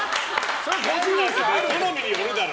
好みによるだろ。